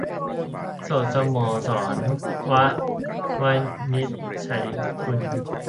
โสดสโมสร - ว วินิจฉัยกุล